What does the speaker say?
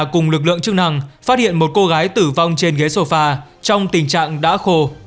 cùng lực lượng chức năng phát hiện một cô gái tử vong trên ghế sổ pha trong tình trạng đã khô